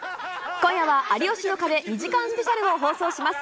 今夜は、有吉の壁２時間スペシャルを放送します。